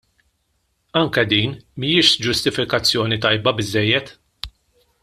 Anke din mhijiex ġustifikazzjoni tajba biżżejjed.